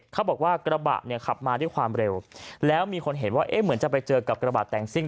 เขาบอกว่ากระบะเนี่ยขับมาด้วยความเร็วแล้วมีคนเห็นว่าเอ๊ะเหมือนจะไปเจอกับกระบะแต่งซิ่ง